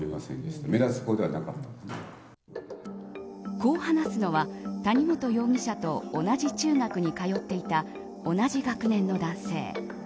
こう話すのは、谷本容疑者と同じ中学に通っていた同じ学年の男性。